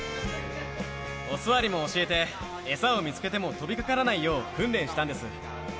お座りも教えて、餌を見つけても飛びかからないよう訓練したんです。